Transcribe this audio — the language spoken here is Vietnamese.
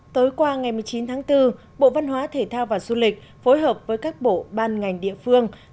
tối qua ngày một mươi chín tháng bốn bộ văn hóa thể thao và du lịch phối hợp với các bộ ban ngành địa phương